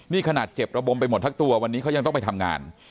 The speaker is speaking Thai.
นี่ขนาดเจ็บระบมไปหมดทั้งตัววันนี้เขายังต้องไปทำงาน